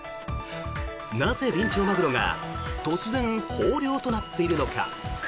なぜビンチョウマグロが突然、豊漁となっているのか。